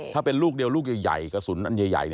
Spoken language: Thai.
ถ้าเป็นลูกเดียวลูกใหญ่กระสุนอันใหญ่